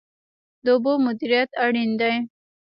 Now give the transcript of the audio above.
د اوبو مدیریت اړین دی.